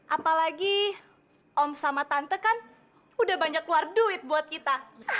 apalagi om sama tante kan udah banyak keluar duit buat kita